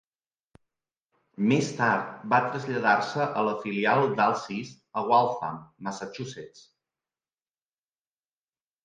Més tard va traslladar-se a la filial d'Alsys a Waltham, Massachusetts.